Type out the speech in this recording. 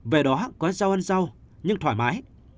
về đó có rau ăn rau nhưng thoải mái